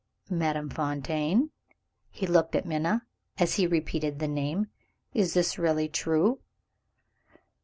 "Madame Fontaine?" He looked at Minna, as he repeated the name. "Is this really true?"